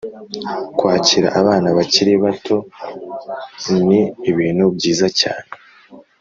Kwakira abana bakiri bato ni ibintu byiza cyane